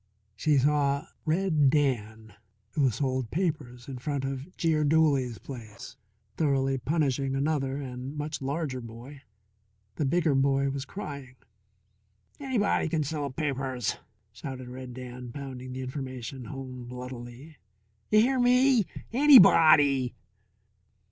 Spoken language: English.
She saw Red Dan, who sold papers in front of Jeer Dooley's place, thoroughly punishing another and much larger boy. The bigger boy was crying. "Anybody c'n sell pipers," shouted Red Dan, pounding the information home bloodily. "You hear me? anybody!"